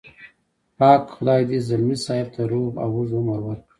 پاک خدای دې ځلمي صاحب ته روغ او اوږد عمر ورکړي.